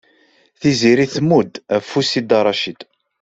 Tiziri tmudd afus i Dda Racid.